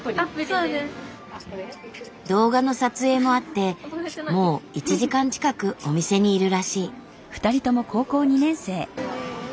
動画の撮影もあってもう１時間近くお店にいるらしい。